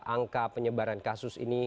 angka penyebaran kasus ini